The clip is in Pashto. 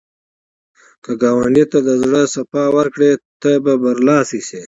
که ګاونډي ته د زړه صفا ورکړې، ته به برلاسی شې